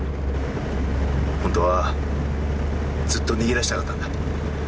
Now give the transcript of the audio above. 本当はずっと逃げ出したかったんだ。